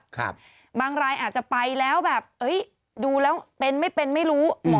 บางรายอาจจะไปแล้วแบบเอ้ยดูแล้วเป็นไม่เป็นไม่รู้